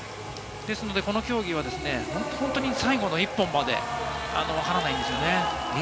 この競技は、最後の１本まで分からないんですよね。